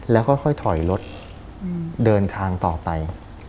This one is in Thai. แล้วก็ค่อยถอยรถเดินทางต่อไป